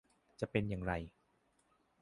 จะเป็นอย่างไร